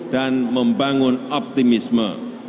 dan membangun optimisme